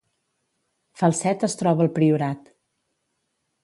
Falset es troba al Priorat